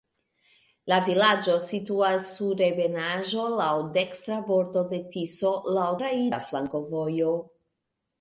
La vilaĝo situas sur ebenaĵo, laŭ dekstra bordo de Tiso, laŭ traira flankovojo.